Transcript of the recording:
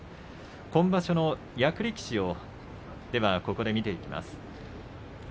今場所の役力士を見ていきます。